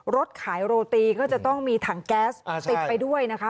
รถขายโรตีก็จะต้องมีถังแก๊สติดไปด้วยนะคะ